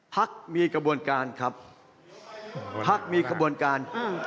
พักมีกระบวนการครับพักมีขบวนการอืม